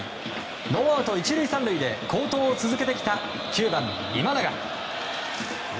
ノーアウト１塁３塁で好投を続けてきた９番、今永。